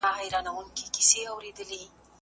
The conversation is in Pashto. ایا تاسو د امریکا په بازار کې د سپکو خوړو تجربه کړې ده؟